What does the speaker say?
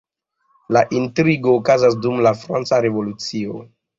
La intrigo okazas dum la Franca Revolucio.